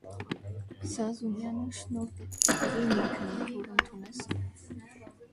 Զազունյանը շնորհ պետք է բերի, մի՛ քնիր, որ ընդունես.